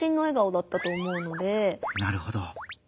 なるほど。